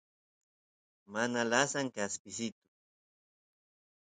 mana lasan kaspisitu